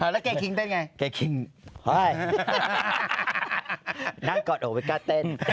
แล้วเก๊คิงเต้นยังไงเก๊คิงนั่งก่อนโหวิกัสเต้น